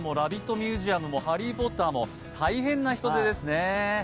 ミュージアムもハリー・ポッターも大変な人出ですね。